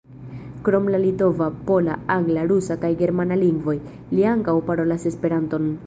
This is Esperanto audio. Krom la litova, pola, angla, rusa kaj germana lingvoj, li ankaŭ parolas Esperanton.